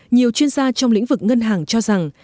nhiều chuyên gia trong lĩnh vực ngân hàng cho rằng